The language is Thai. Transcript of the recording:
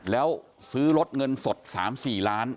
แล้วซื้อรถเงินสด๓๔ล้าน